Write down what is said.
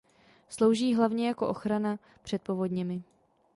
Slouží hlavně jako ochrana před povodněmi.